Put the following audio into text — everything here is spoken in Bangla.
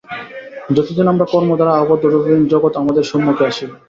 যতদিন আমরা কর্ম দ্বারা আবদ্ধ, ততদিন জগৎ আমাদের সম্মুখে আসিবে।